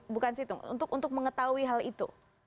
bukan situng untuk mengetahui hal itu